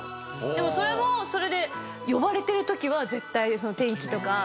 でもそれもそれで呼ばれてるときは絶対天気とか。